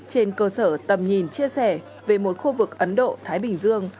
trên cơ sở tầm nhìn chia sẻ về một khu vực ấn độ thái bình dương